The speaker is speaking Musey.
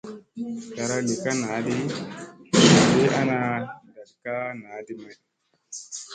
Zlara li ka naa ɗi, dagi ana ndat ka naa ɗi may.